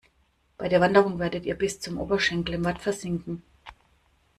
Bei der Wanderung werdet ihr bis zum Oberschenkel im Watt versinken.